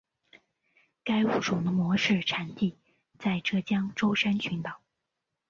该物种的模式产地在浙江舟山群岛。